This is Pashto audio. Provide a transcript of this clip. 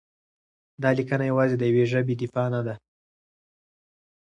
دا لیکنه یوازې د یوې ژبې دفاع نه ده؛